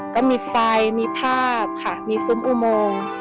ก็มีไฟมีภาพค่ะมีซุ้มอุโมง